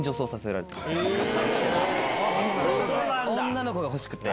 女の子が欲しくて。